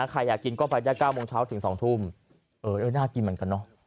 ใครอยากกินก็ไปได้๙โมงเช้าถึง๒ทุ่มเออน่ากินเหมือนกันเนอะ